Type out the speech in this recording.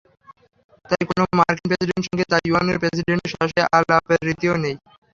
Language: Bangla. তাই কোনো মার্কিন প্রেসিডেন্টের সঙ্গে তাইওয়ানের প্রেসিডেন্টের সরাসরি আলাপের রীতিও নেই।